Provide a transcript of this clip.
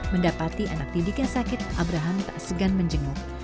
mendapati anak didiknya sakit abraham tak segan menjenguk